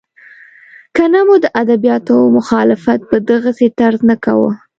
که نه مو د ادبیاتو مخالفت په دغسې طرز نه کاوه.